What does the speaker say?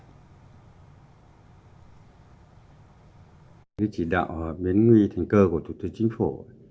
những chỉ đạo biến nguy thành cơ của thủ tướng chính phủ